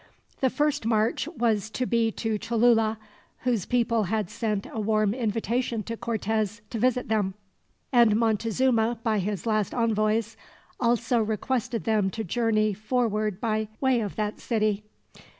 The first march was to be to Cholula, whose people had sent a warm invitation to Cortez to visit them; and Montezuma, by his last envoys, also requested them to journey forward by way of that city.